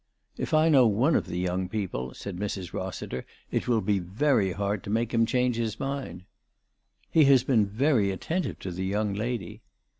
" If I know one of the young people," said Mrs. Rossiter, " it will be very hard to make him change his mind." " He has been very attentive to the young lady."